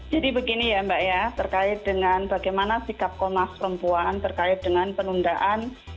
begini ya mbak ya terkait dengan bagaimana sikap komnas perempuan terkait dengan penundaan